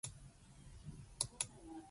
In Orkney, "wick" is common.